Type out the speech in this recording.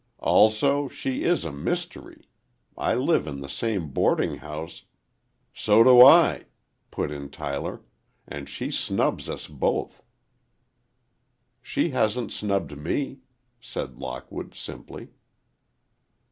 "Also, she is a mystery. I live in the same boarding house—" "So do I," put in Tyler, "and she snubs us both." "She hasn't snubbed me," said Lockwood, simply.